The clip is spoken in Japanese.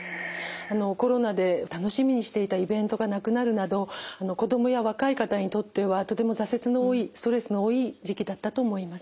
コロナで楽しみにしていたイベントがなくなるなど子供や若い方にとってはとても挫折の多いストレスの多い時期だったと思います。